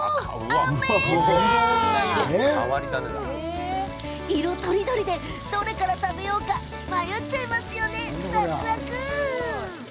アメージング！色とりどりでどれから食べようか迷っちゃいますね。